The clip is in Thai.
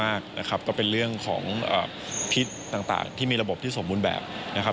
ที่เราได้รับคำชมมากนะครับก็เป็นเรื่องของพิษต่างต่างที่มีระบบที่สมบูรณ์แบบนะครับ